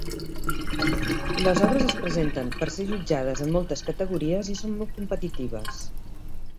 Las obres es presenten per a ser jutjades en moltes categories i són molt competitives.